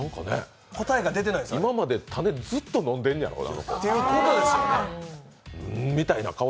今まで種、ずっと飲んでんのかな？